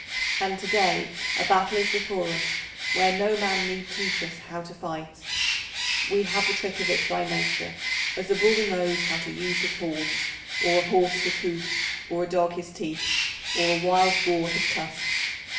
And to day a battle is before us where no man need teach us how to fight: we have the trick of it by nature, as a bull knows how to use his horns, or a horse his hoofs, or a dog his teeth, or a wild boar his tusks.